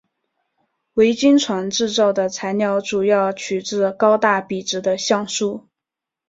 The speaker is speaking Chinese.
维京船制造的材料主要取自高大笔直的橡树。